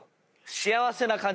「幸せな感じ」？